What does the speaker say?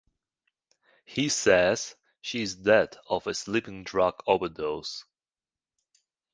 He says she is dead of a sleeping drug overdose.